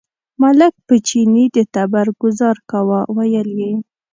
ملک په چیني د تبر ګوزار کاوه، ویل یې.